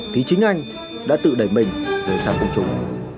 thì chính anh đã tự đẩy mình rời sang công chúng